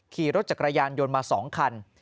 ขี่รถจักรยานยนต์มา๒คัน